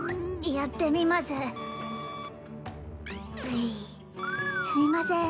やってみますすみません